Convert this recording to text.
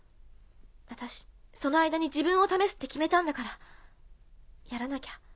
私その間に自分を試すって決めたんだからやらなきゃ。